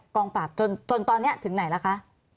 กองปราบจนตอนนี้ถึงไหนล่ะคะ